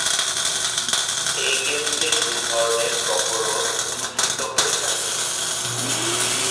এই গেমসের দুই ধরনের প্রকরণ অনুষ্ঠিত হয়ে থাকে।